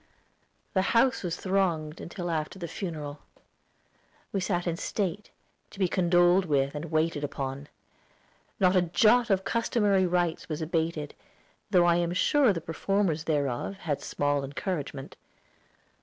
The house was thronged till after the funeral. We sat in state, to be condoled with and waited upon. Not a jot of the customary rites was abated, though I am sure the performers thereof had small encouragement.